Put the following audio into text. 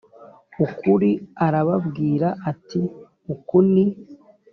ukuri arababwira ati uku ni